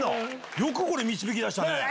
よく導き出したね！